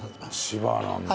千葉なんだ。